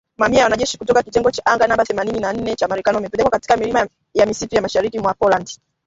Mamia ya wanajeshi kutoka kitengo cha anga namba themanini na nane cha Marekani wamepelekwa katika milima ya msituni ya mashariki mwa Poland